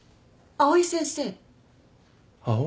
藍井先生？